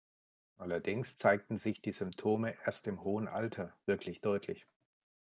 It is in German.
Allerdings zeigten sich die Symptome erst im hohen Alter wirklich deutlich.